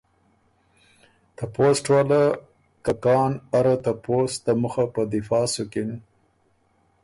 که ته پوسټ واله که کان اره ته پوسټ ته مُخه په دفاع سُکِن